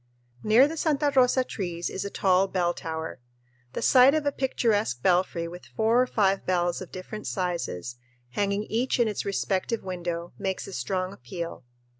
Near the Santa Rosa trees is a tall bell tower. The sight of a picturesque belfry with four or five bells of different sizes hanging each in its respective window makes a strong appeal.